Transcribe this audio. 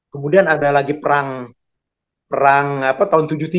kemudian ada lagi perang tahun seribu sembilan ratus tujuh puluh tiga